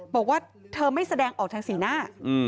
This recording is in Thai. บอกว่าเธอไม่แสดงออกทางสีหน้า